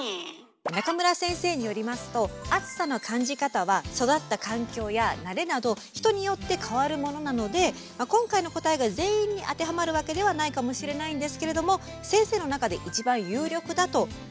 中村先生によりますと暑さの感じ方は育った環境や慣れなど人によって変わるものなので今回の答えが全員に当てはまるわけではないかもしれないんですけれども先生の中で一番有力だと思われる解説をして頂きました。